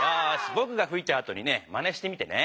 ぼくがふいたあとにねまねしてみてね。